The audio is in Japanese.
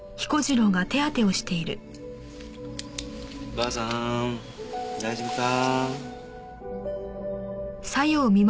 ばあさん大丈夫か？